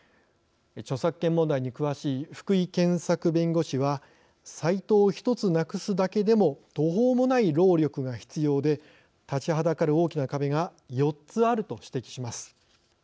著作権問題に詳しい福井健策弁護士はサイトを１つなくすだけでも途方もない労力が必要で立ちはだかる大きな壁が４つあると指摘します。